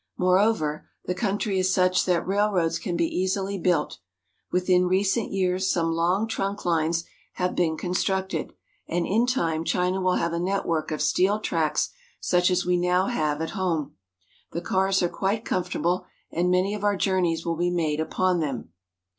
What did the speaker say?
Moreover, the country is such that railroads can be easily built. Within recent years some long trunk lines have been constructed, and in time China will have a network of steel tracks such as we now have at home. The cars are quite comfortable, and many of our journeys will be made upon them.